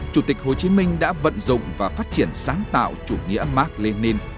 chủ tịch hồ chí minh đã vận dụng và phát triển sáng tạo chủ nghĩa mark lenin